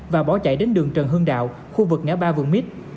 và bỏ chạy đến đường trần hương đạo khu vực ngã ba vườn mít